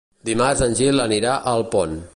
Dimarts en Gil anirà a Alpont.